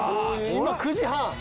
今９時半？